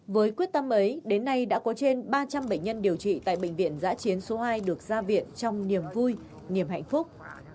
với quyết tâm ấy đến nay đã có trên ba trăm linh bệnh nhân điều trị tại bệnh viện giã chiến số hai được ra viện trong niềm vui niềm hạnh phúc